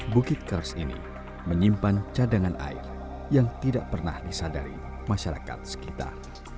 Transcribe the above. bukit kars ini menyimpan cadangan air yang tidak pernah disadari masyarakat sekitar